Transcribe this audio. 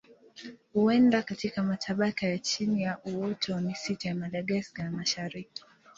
Huenda katika matabaka ya chini ya uoto wa misitu ya Madagaska ya Mashariki.